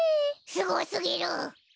すごすぎる！